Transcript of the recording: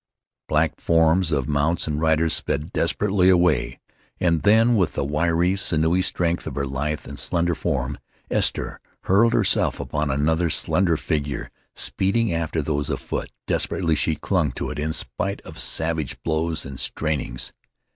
Black forms of mounts and riders sped desperately away, and then with all the wiry, sinewy strength of her lithe and slender form, Esther hurled herself upon another slender figure, speeding after these, afoot. Desperately she clung to it in spite of savage blows and strainings.